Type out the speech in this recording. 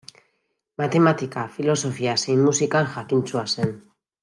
Matematika, filosofia zein musikan jakintsua zen.